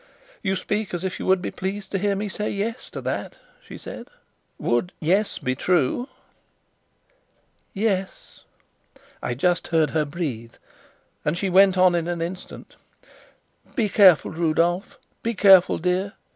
"You speak as if you would be pleased to hear me say 'Yes' to that," she said. "Would 'Yes' be true?" "Yes," I just heard her breathe, and she went on in an instant: "Be careful, Rudolf; be careful, dear.